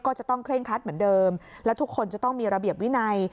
ก็จะต้องเคร่งครัดเหมือนเดิมและทุกคนจะต้องมีระเบียบวินัย